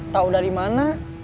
tahu dari mana